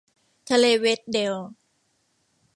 ทะเลเวดเดล